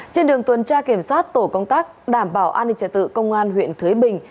trên đường tuần tra kiểm soát tổ công tác đảm bảo an ninh trật tự công an huyện thới bình